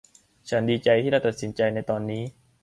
ฉันดีใจที่เราตัดสินใจในตอนนี้